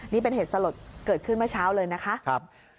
นี่เป็นเหตุสลดเกิดขึ้นเมื่อเช้าเลยนะคะ